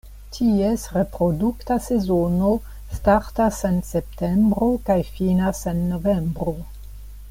Ties reprodukta sezono startas en septembro kaj finas en novembro.